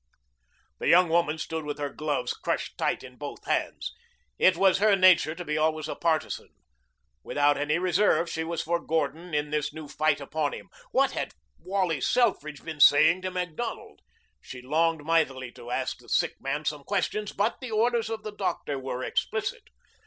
The young woman stood with her gloves crushed tight in both hands. It was her nature to be always a partisan. Without any reserve she was for Gordon in this new fight upon him. What had Wally Selfridge been saying to Macdonald? She longed mightily to ask the sick man some questions, but the orders of the doctor were explicit.